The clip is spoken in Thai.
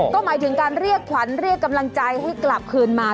ก็หมายถึงการเรียกขวัญเรียกกำลังใจให้กลับคืนมา